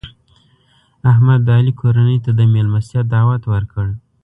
احمد د علي کورنۍ ته د مېلمستیا دعوت ورکړ.